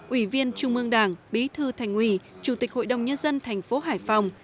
ủy viên trung mương đảng bí thư thành ủy chủ tịch hội đồng nhân dân thành phố hải phòng